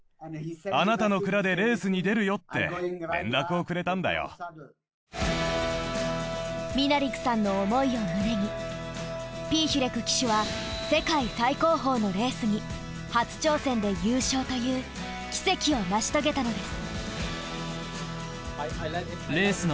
お願いだからそしてミナリクさんの思いを胸にピーヒュレク騎手は世界最高峰のレースに初挑戦で優勝という奇跡を成し遂げたのです。